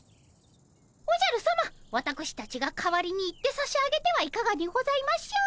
おじゃるさまわたくしたちが代わりに行ってさしあげてはいかがにございましょう。